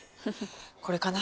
これかな？